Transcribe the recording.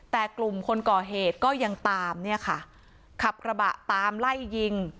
แต่กลุ่มคนก่อเหตุก็ยังตามเนี่ยค่ะขับกระบะตามไล่ยิง